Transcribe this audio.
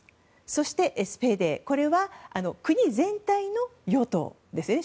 そして、ＳＰＤこれは国全体の与党ですね。